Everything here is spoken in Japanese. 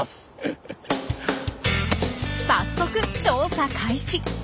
早速調査開始！